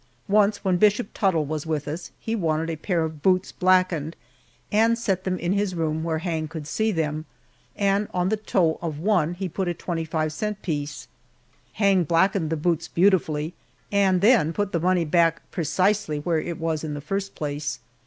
Once, when Bishop Tuttle was with us, he wanted a pair of boots blackened, and set them in his room where Hang could see them, and on the toe of one he put a twenty five cent piece. Hang blackened the boots beautifully, and then put the money back precisely where it was in the first place.